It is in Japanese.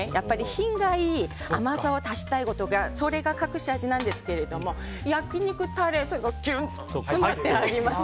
品がいい甘さを足したい時はそれが隠し味なんですけど焼き肉タレには、それがギュッと入ってます。